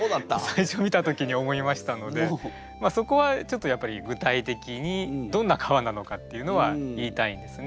最初見た時に思いましたのでそこはちょっとやっぱり具体的にどんな皮なのかっていうのは言いたいんですね。